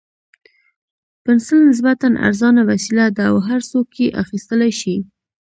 پنسل نسبتاً ارزانه وسیله ده او هر څوک یې اخیستلای شي.